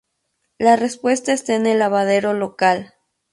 La respuesta está en el lavadero local.